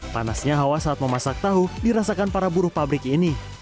panasnya hawa saat memasak tahu dirasakan para buruh pabrik ini